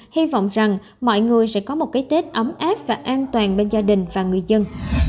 hy vọng rằng mọi người sẽ có một cái tết ấm áp và an toàn bên gia đình và người dân